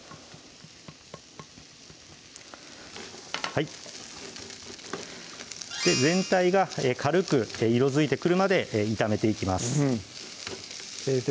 はい全体が軽く色づいてくるまで炒めていきます先生